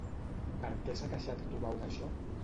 Per què s'ha queixat Tubau d'això?